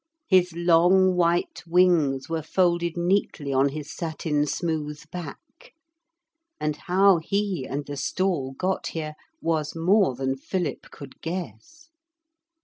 His long, white wings were folded neatly on his satin smooth back, and how he and the stall got here was more than Philip could guess.